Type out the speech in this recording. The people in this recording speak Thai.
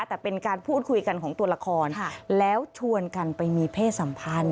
แต่เป็นการพูดคุยกันของตัวละครแล้วชวนกันไปมีเพศสัมพันธ์